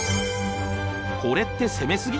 「これって攻めすぎ！？